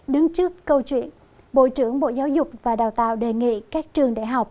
đứng trước câu chuyện bộ trưởng bộ giáo dục và đào tạo đề nghị các trường đại học